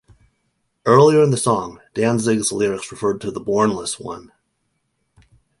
Earlier in the song, Danzig's lyrics refer to "the Bornless One".